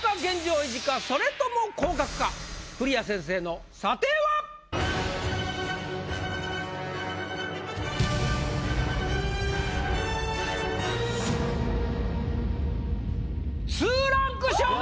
それとも栗屋先生の査定は⁉２ランク昇格！